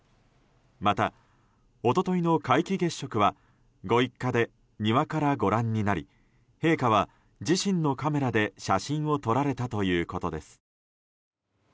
また、一昨日の皆既月食はご一家で庭からご覧になり陛下は自身のカメラで写真を撮られたということです。